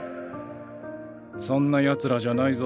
そんなやつらじゃないぞ。